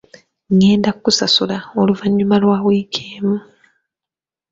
Ngenda kukusasula oluvannyuma lwa wiiki emu.